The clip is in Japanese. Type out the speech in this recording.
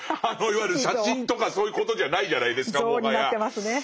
いわゆる写真とかそういうことじゃないじゃないですかもはや。